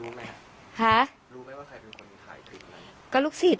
รู้ไหมอ่ะฮะรู้ไหมว่าใครเป็นคนถ่ายคลิปนั้นก็ลูกศิษย์อ่ะค่ะ